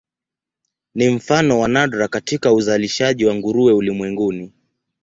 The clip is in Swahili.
Ni mfano wa nadra katika uzalishaji wa nguruwe ulimwenguni.